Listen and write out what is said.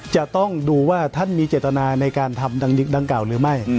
จะต้องดูว่าท่านมีเจตนาในการทำดังกล่าวหรือไม่